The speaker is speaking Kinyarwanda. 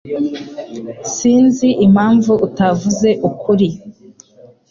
Sinzi impamvu utavuze ukuri.